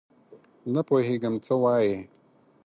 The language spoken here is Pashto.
نه پوهېږم څه وایې ؟؟